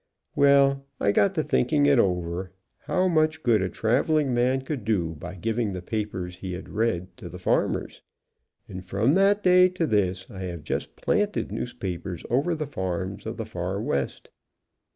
Well, I got to thinking it over, how THE DRUMMER AND THE FARMER 167 much good a traveling man could do by giving the papers he had read to the farmers, and from that day to this I have just planted newspapers over the farms of the far West.